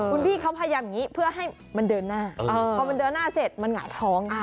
คุณพี่เขาพยายามอย่างนี้เพื่อให้มันเดินหน้าพอมันเดินหน้าเสร็จมันหงายท้องไง